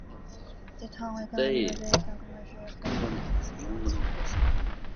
The town economy was based on commercial fishing and seasonal tourism.